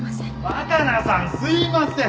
若菜さんすいません。